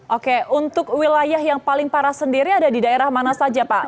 oke untuk wilayah yang paling parah sendiri ada di daerah mana saja pak